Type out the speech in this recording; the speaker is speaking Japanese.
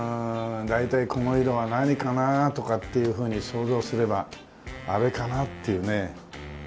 大体この色は何かな？とかっていうふうに想像すればあれかな？っていうね。